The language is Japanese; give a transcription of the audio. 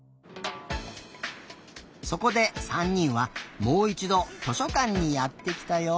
そこで３にんはもういちど図書かんにやってきたよ！